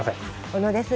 小野です